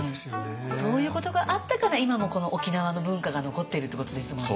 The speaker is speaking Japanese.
そういうことがあったから今もこの沖縄の文化が残っているってことですもんね